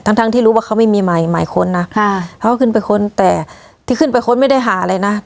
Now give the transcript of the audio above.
ทั้งทั้งที่รู้ว่าเขาไม่มีหมายหมายค้นนะค่ะเขาก็ขึ้นไปค้นแต่ที่ขึ้นไปค้นไม่ได้หาอะไรนะ